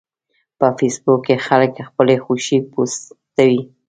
په فېسبوک کې خلک خپلې خوښې پوسټوي